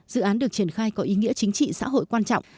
dự án được triển khai có ý nghĩa chính trị xã hội quan trọng